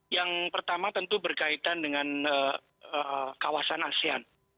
yang pertama tentu berkaitan dengan kawasan asean